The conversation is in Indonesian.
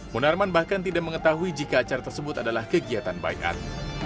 munarman bahkan tidak mengetahui jika acara tersebut adalah kegiatan backup